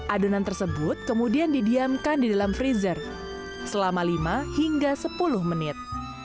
adonan tersebut kemudian didiamkan di dalam freezer selama lima hingga sepuluh menit